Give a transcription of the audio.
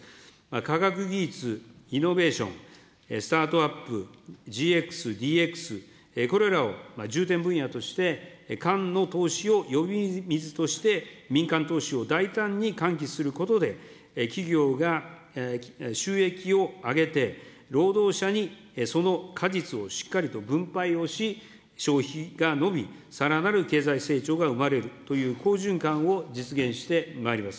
科学技術、イノベーション、スタートアップ、ＧＸ、ＤＸ、これらを重点分野として、かんの投資を呼び水として、民間投資を大胆に喚起することで、企業が収益を上げて、労働者にその果実をしっかりと分配をし、消費が伸び、さらなる経済成長が生まれるという好循環を実現してまいります。